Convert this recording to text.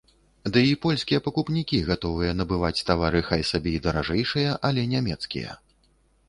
Ды і польскія пакупнікі гатовыя набываць тавары хай сабе і даражэйшыя, але нямецкія.